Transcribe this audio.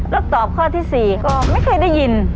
แล้วตอบข้อที่๔ก็ไม่เคยได้ยิน